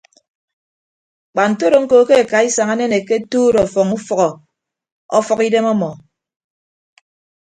Kpa ntodo ñko ke akaisañ anenekke atuut ọfọñ ufʌhọ ọfʌk idem ọmọ.